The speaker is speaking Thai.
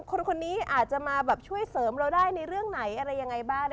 คนนี้อาจจะมาแบบช่วยเสริมเราได้ในเรื่องไหนอะไรยังไงบ้าง